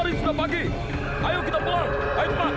bisa membuatkan tingkat